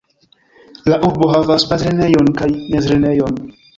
La urbo havas bazlernejon kaj mezlernejon.